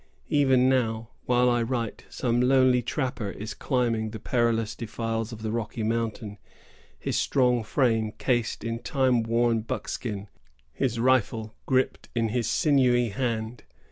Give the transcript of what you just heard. Even now, while I write, some lonely trapper is climbing the perilous defiles of the Rocky Mountains, his strong frame cased in time worn buck skin, his rifle griped in his sinewy hand.